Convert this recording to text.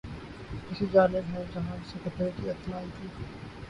اسی جانب ہیں جہاں سے خطرے کی اطلاع آئی تھی